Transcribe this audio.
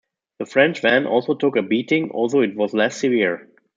The French van also took a beating, although it was less severe.